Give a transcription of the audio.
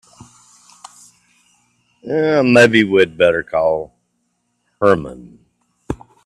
Maybe we'd better call Herman.